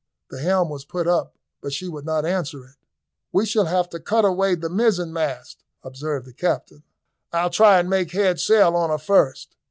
The helm was put up but she would not answer it. "We shall have to cut away the mizen mast," observed the captain. "But we'll try and make head sail on her first."